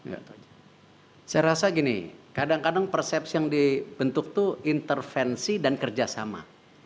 saya rasa gini kadang kadang persepsi yang dibentuk itu intervensi dan kerjasama